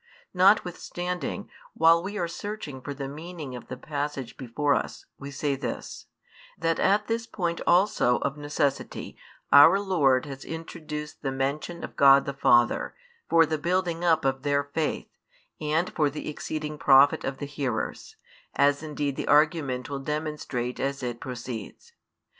Notwithstanding, while we are searching for the meaning of the passage before us, we say this: that at this point also, of necessity, our Lord has introduced the mention of God the Father, for the building up of their faith, and for the exceeding profit of the hearers; as indeed the argument will demonstrate as it proceeds.